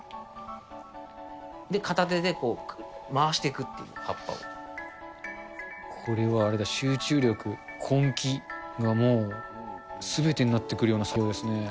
片手で回していくっていう、これはあれだ、集中力、根気がもう、すべてになってくるような作業ですね。